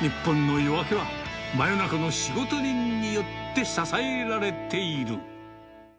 日本の夜明けは、真夜中の仕事人によって支えられている。